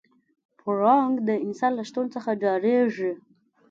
پړانګ د انسان له شتون څخه ډارېږي.